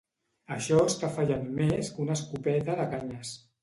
Això està fallant més que una escopeta de canyes